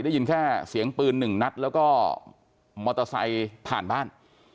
ได้ยินแค่เสียงปืนหนึ่งนัดแล้วก็มอเตอร์ไซค์ผ่านบ้าน